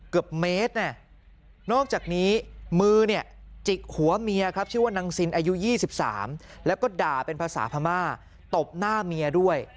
เกือบเมตรนอกจากนี้มือเนี่ยจิกหัวเมียครับชื่อว่านางซินอายุ๒๓แล้วก็ด่าเป็นภาษาพม่าตบหน้าเมียด้วย